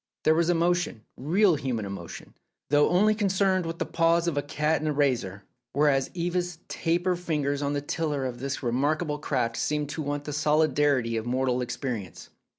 There was emotion, real human emotion, though only concerned with the paws of a cat and a razor, whereas Eva's taper fingers on the tiller of this remarkable craft seemed to want the solidity of mortal experience.